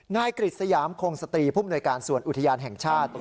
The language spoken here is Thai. นายกริจสยามคงสตรีผู้บริหน่วยการส่วนอุทยานแห่งชาติ